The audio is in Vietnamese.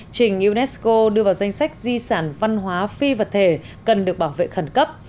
trình unesco đưa vào danh sách di sản văn hóa phi vật thể cần được bảo vệ khẩn cấp